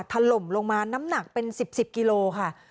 ถล่มลงมาน้ำหนักเป็น๑๐๑๐กิโลค่ะ